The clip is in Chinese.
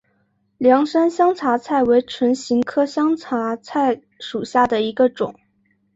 凉山香茶菜为唇形科香茶菜属下的一个种。